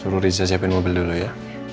suruh riza siapin mobil dulu ya